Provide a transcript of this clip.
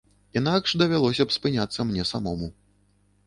Інакш давялося б спыняцца мне самому.